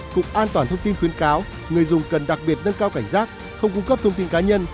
cục an toàn thông tin khuyến cáo người dùng cần đặc biệt nâng cao cảnh giác không cung cấp thông tin cá nhân